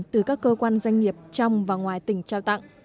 từ các cơ quan doanh nghiệp trong và ngoài tỉnh trao tặng